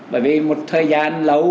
bởi vì một thời gian lâu